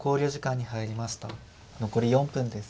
残り４分です。